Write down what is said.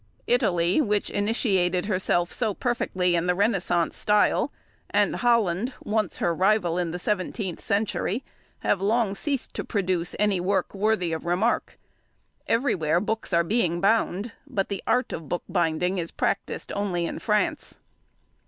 Italy, which initiated herself so perfectly in the Renaissance style, and Holland, once her rival in the 17th century, have long ceased to produce any work worthy of remark; everywhere books are being bound, but the 'art' of bookbinding is practised only in France."